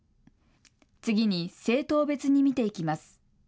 次に政党別に見ていきます。